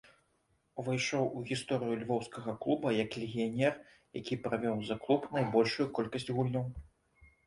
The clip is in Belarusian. Увайшоў у гісторыю львоўскага клуба як легіянер, які правёў за клуб найбольшую колькасць гульняў.